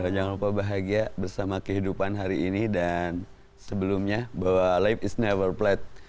jangan lupa bahagia bersama kehidupan hari ini dan sebelumnya bahwa lab is never plat